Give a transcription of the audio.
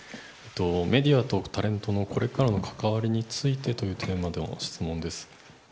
メディアとタレントのこれからの関わりについての点についての質問です。